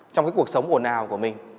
trong cuộc sống ổn ào của mình